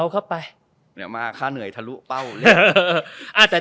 เดี๋ยวมาค่าเหนื่อยทะลุเป้า